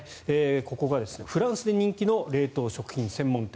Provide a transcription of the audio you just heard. ここがフランスで人気の冷凍食品専門店